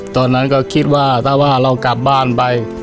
ตอนนั้นก็คิดว่าถ้าว่าเรากลับบ้านไป